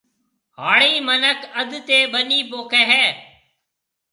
ھاڙِي مِنک اڌ تيَ ٻنِي پوکيَ ھيََََ